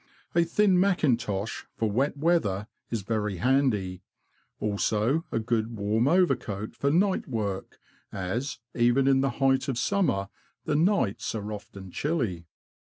A thin macintosh, for wet weather, is very handy ; also a good warm overcoat for night work, as, even in the height of summer, the nights are often chilly.